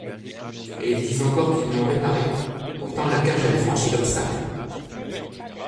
Et ils disent encore qu'ils l'ont réparé ! Pourtant, la cage avait franchi l'obstacle.